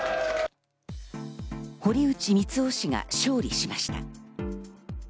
堀内光雄氏が勝利しました。